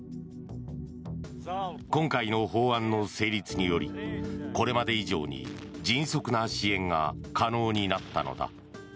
今回の法案の成立によりこれまで以上に迅速な支援が可能になったのだ。